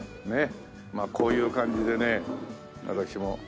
まあこういう感じでね私も。